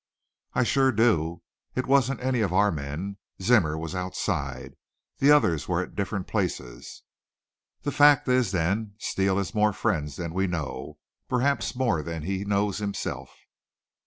"I sure do. It wasn't any of our men. Zimmer was outside. The others were at different places." "The fact is, then, Steele has more friends than we know, perhaps more than he knows himself."